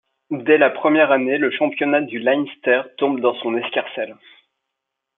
Dès la première année le championnat du Leinster tombe dans son escarcelle.